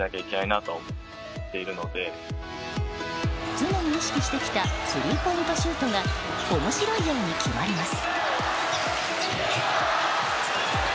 常に意識してきたスリーポイントシュートが面白いように決まります。